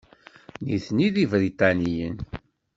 Nitni d Ibriṭaniyen.